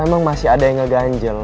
kalo emang masih ada yang ngeganjel